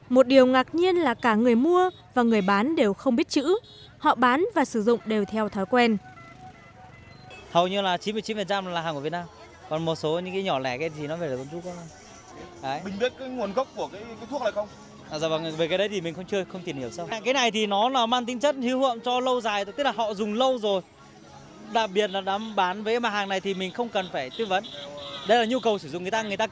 một điều ngạc nhiên là cả người mua và người bán đều không biết chữ họ bán và sử dụng đều theo thói quen